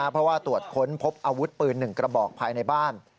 เพราะว่าตรวจค้นพบอาวุธปืน๑กระบอกภายในบ้าน